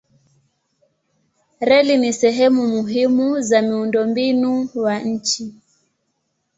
Reli ni sehemu muhimu za miundombinu wa nchi.